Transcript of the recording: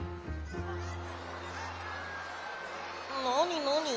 なになに？